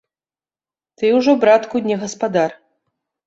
Ты ўжо, братку, не гаспадар.